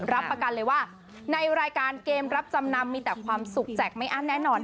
รับประกันเลยว่าในรายการเกมรับจำนำมีแต่ความสุขแจกไม่อั้นแน่นอน